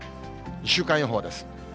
週間予報です。